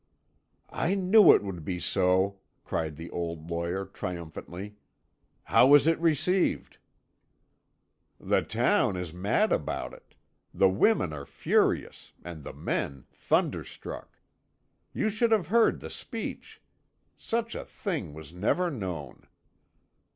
"I knew it would be so," cried the old lawyer triumphantly. "How was it received?" "The town is mad about it. The women are furious, and the men thunderstruck. You should have heard the speech! Such a thing was never known.